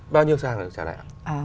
bao nhiêu tháng được trả lại ạ